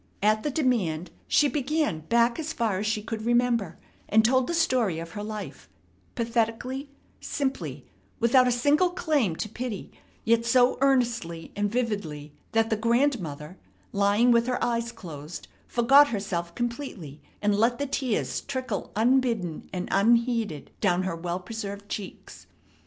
At the demand she began back as far as she could remember, and told the story of her life, pathetically, simply, without a single claim to pity, yet so earnestly and vividly that the grandmother, lying with her eyes closed, forgot herself completely, and let the tears trickle unbidden and unheeded down her well preserved cheeks.